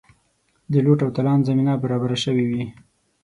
د لوټ او تالان زمینه برابره سوې وي.